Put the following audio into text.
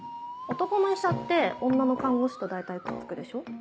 男の医者って女の看護師と大体くっつくでしょ？